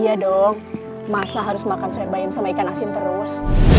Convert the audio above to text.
iya dong masa harus makan sayur bayam sama ikan asin terus